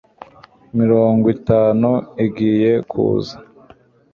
mirongwitanu igiye kuza